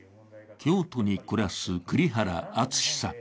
京都に暮らす栗原敦さん。